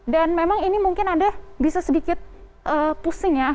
dan memang ini mungkin anda bisa sedikit pusing ya